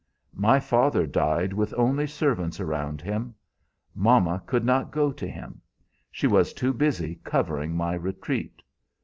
My father died with only servants around him. Mama could not go to him. She was too busy covering my retreat.